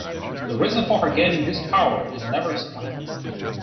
The reason for her gaining this power is never explained.